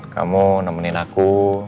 kamu nemenin aku